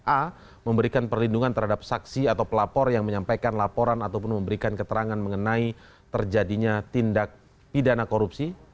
a memberikan perlindungan terhadap saksi atau pelapor yang menyampaikan laporan ataupun memberikan keterangan mengenai terjadinya tindak pidana korupsi